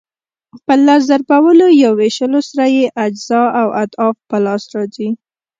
په لس ضربولو یا وېشلو سره یې اجزا او اضعاف په لاس راځي.